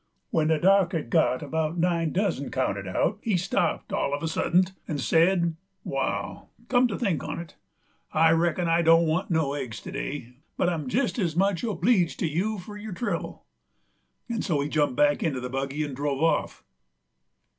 When the Dock had got about nine dozen counted out he stopped all uv a suddint 'nd said, "Wall, come to think on 't, I reckon I don't want no eggs to day, but I'm jest as much obleeged to you fur yer trubble." And so he jumped back into the buggy 'nd drove off.